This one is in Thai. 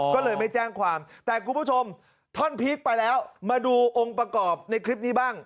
ก็เลยไม่แจ้งความแต่คุณผู้ชมท่อนพีคไปแล้วมาดูองค์ประกอบในคลิปนี้บ้าง